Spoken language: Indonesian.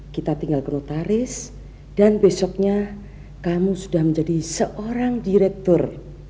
kita tinggal kotaris dan besoknya kamu sudah menjadi seorang direktur